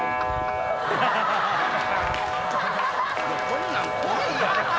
こんなん怖いやろ。